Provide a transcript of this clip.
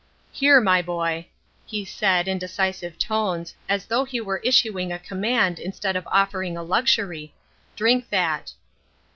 "Here, my boy," he said, in decisive tones, as though he were issuing a command instead of offering a luxury, " drink that."